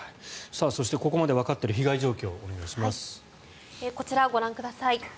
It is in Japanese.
そしてここまでわかっている被害状況をこちらをご覧ください。